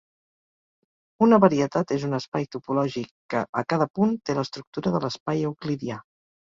Una varietat és un espai topològic que, a cada punt, té l'estructura de l'espai euclidià.